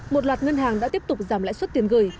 một loạt ngân hàng đã tiếp tục giảm lãi suất tiền gửi